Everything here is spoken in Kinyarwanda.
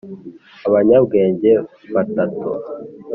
abanyabwenge batatu